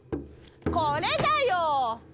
これだよ！